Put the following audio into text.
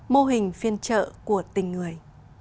mô hình phiên trợ của tình người